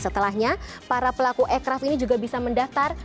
setelahnya para pelaku ekraft ini juga bisa mendaftar